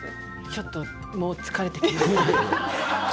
ちょっともう疲れてきました。